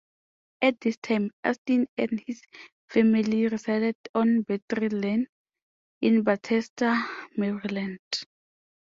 At that time, Astin and his family resided on Battery Lane in Bethesda, Maryland.